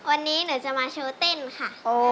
วันนี้หนูจะมาโชว์เต้นค่ะ